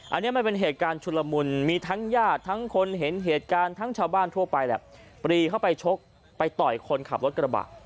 อันนี้มันเป็นเหตุการณ์ชุดละมุนมีทั้งญาติทั้งคนเห็นเหตุการณ์ทั้งชาวบ้านทั่วไปแหละปรีเข้าไปชกไปต่อยคนขับรถกระบะ